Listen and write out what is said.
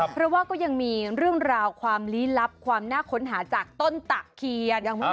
เพราะว่าก็ยังมีเรื่องราวความลี้ลับความน่าค้นหาจากต้นตะเคียน